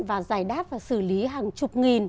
và giải đáp và xử lý hàng chục nghìn